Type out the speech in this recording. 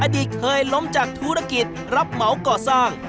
อดีตเคยล้มจากธุรกิจรับเหมาก่อสร้าง